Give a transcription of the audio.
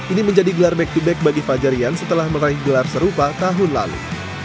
ini menjadi gelar back to back bagi fajarian setelah meraih gelar serupa tahun lalu